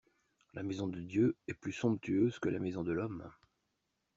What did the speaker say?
La maison de Dieu est plus somptueuse que la maison de l'homme.